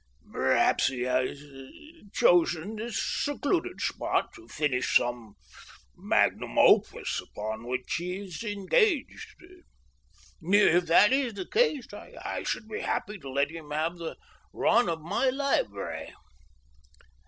"Perhaps he has chosen this secluded spot to finish some magnum opus upon which he is engaged. If that is the case I should be happy to let him have the run of my library."